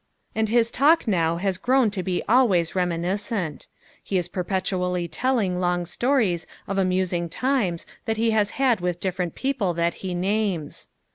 And his talk now has grown to be always reminiscent. He is perpetually telling long stories of amusing times that he has had with different people that he names.